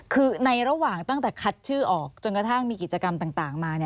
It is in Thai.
คือในระหว่างตั้งแต่คัดชื่อออกจนกระทั่งมีกิจกรรมต่างมา